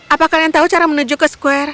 apa kalian tahu cara menuju ke square